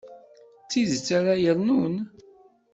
D tidet ara yernun.